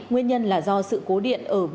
nguyên nhân là do sự cố điện ở bảng mạch